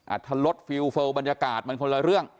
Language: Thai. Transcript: อัตรรสฟิล์สแฟลว์บรรยากาศมันคนละเรื่อง